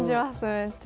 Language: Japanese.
めっちゃ。